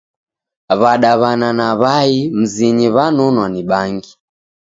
W'adaw'ana na w'ai mzinyi w'anonwa ni bangi.